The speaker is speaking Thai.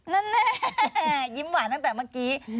แน่ยิ้มหวานตั้งแต่เมื่อกี้